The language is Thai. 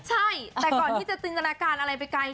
ใช่แต่ก่อนที่จะจินตนาการอะไรไปไกล